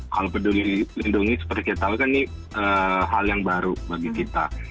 kalau peduli lindungi seperti kita tahu kan ini hal yang baru bagi kita